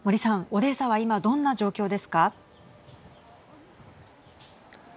オデーサは今どんな状況ですか。